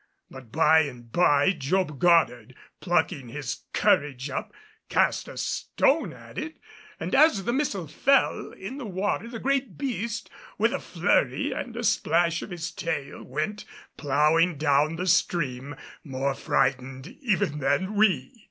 But by and by Job Goddard, plucking his courage up, cast a stone at it, and as the missile fell in the water the great beast, with a flurry and a splash of its tail, went plowing down the stream more frightened even than we.